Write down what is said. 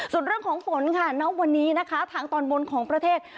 ส่วนเรื่องของฝนค่ะณวันนี้นะคะทางตอนบนของประเทศ